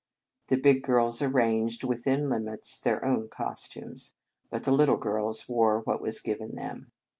The big girls arranged within limits their own costumes, but the little girls wore what was given them.